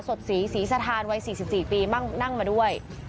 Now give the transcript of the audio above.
สดศรีศรีสถานวัย๔๔ปีนั่งมาด้วย